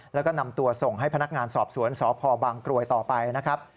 แล้วก็นำตัวส่งให้พนักงานสอบสวนสพบางกรวยต่อไปนะครับ